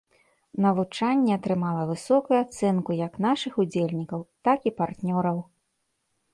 Навучанне атрымала высокую ацэнку як нашых удзельнікаў, так і партнёраў.